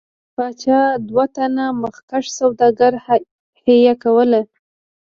پاچا دوه تنه مخکښ سوداګر حیه کول.